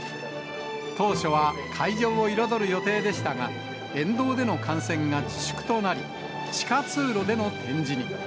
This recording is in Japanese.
当初は会場を彩る予定でしたが、沿道での観戦が自粛となり、地下通路での展示に。